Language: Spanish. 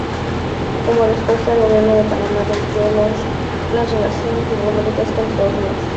Como respuesta, el gobierno de Panamá rompió los relaciones diplomáticas con Estados Unidos.